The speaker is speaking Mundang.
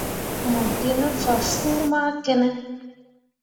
Mo gi ne fah fuu ma ki ne.